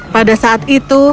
pada saat itu